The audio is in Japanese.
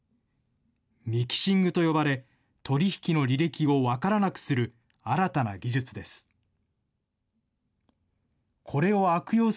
ミキシングと呼ばれ、取り引きの履歴を分からなくする新たな技術です。